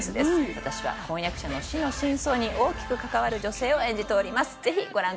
私は婚約者の死の真相に大きく関わる女性を演じております。